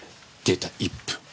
出た１分。